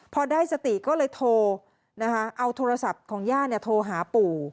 พอได้สติก็เลยโทรนะคะเอาโทรศัพท์ของย่าโทรหาปู่